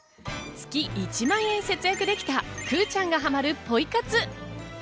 月１万円節約できた、くぅちゃんがはまるポイ活。